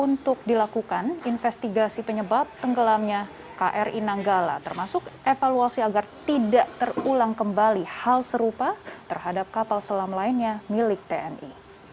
untuk dilakukan investigasi penyebab tenggelamnya kri nanggala termasuk evaluasi agar tidak terulang kembali hal serupa terhadap kapal selam lainnya milik tni